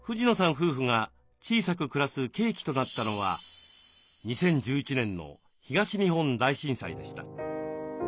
夫婦が小さく暮らす契機となったのは２０１１年の東日本大震災でした。